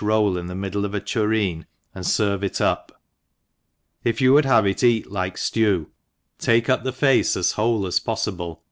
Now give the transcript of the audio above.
roU in the middle of a tureea, iiind ferveit up* .~ If you would have it cat, like <ftew, t^ke up the face as whole as poflible^.